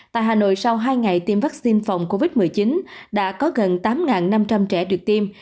tại hà nội sau hai ngày tiêm vaccine phòng covid một mươi chín đã có gần tám năm trăm linh trẻ được tiêm